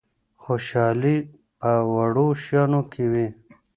خوشحالي په وړو شیانو کي وي.